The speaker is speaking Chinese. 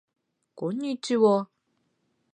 这是朵美丽的小花。